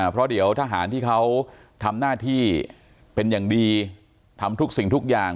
เพราะเดี๋ยวทหารที่เขาทำหน้าที่เป็นอย่างดีทำทุกสิ่งทุกอย่าง